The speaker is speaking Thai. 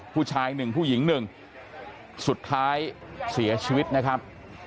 ผู้ชายหนึ่งผู้หญิงหนึ่งสุดท้ายเสียชีวิตนะครับ